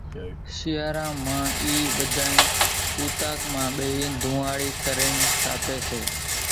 شيئارا مان اِي ٻڌانئين اُوطاق مان ٻيۿينَ ڌونۿاڙِي ڪرينَ تاپيَ سي۔